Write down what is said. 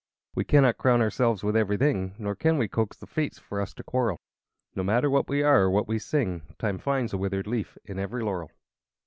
III We cannot crown ourselves with everything, Nor can we coax the Fates for us to quarrel: No matter what we are, or what we sing, Time finds a withered leaf in every laurel.